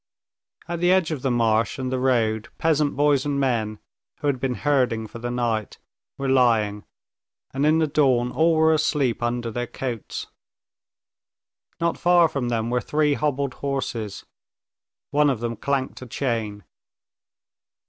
At the edge of the marsh and the road, peasant boys and men, who had been herding for the night, were lying, and in the dawn all were asleep under their coats. Not far from them were three hobbled horses. One of them clanked a chain.